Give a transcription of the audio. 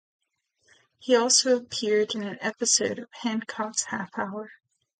He also appeared in an episode of "Hancock's Half Hour".